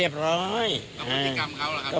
แล้วพฤติกรรมเขาล่ะครับ